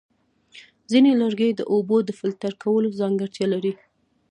ځینې لرګي د اوبو د فلټر کولو ځانګړتیا لري.